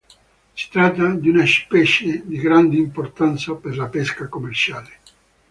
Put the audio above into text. Si tratta di una specie di grande importanza per la pesca commerciale.